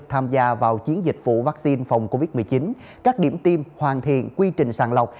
tham gia vào chiến dịch phủ vaccine phòng covid một mươi chín các điểm tiêm hoàn thiện quy trình sàng lọc